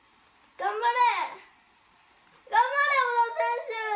頑張れ！